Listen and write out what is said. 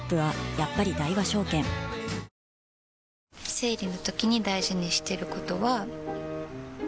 生理のときに大事にしてることは。